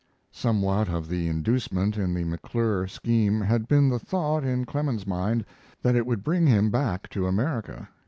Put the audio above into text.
Somewhat of the inducement in the McClure scheme had been the thought in Clemens's mind that it would bring him back to America.